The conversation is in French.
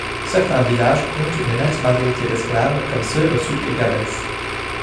Certains villages comptent une nette majorité d'esclaves comme ceux au sud de Gabès.